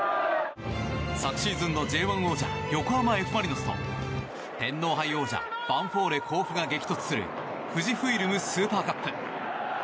昨シーズンのＪ１王者横浜Ｆ・マリノスと天皇杯王者ヴァンフォーレ甲府が激突する富士フイルムスーパーカップ。